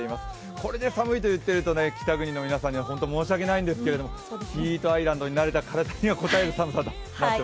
これで寒いと言っていると北国の皆さんには申し訳ないんですけどヒートアイランドに慣れた体にはこたえる寒さです。